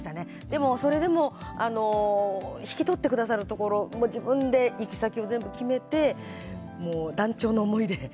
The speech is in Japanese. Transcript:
でも、それでも引き取ってくださるところは自分で行き先を全部決めて断腸の思いで。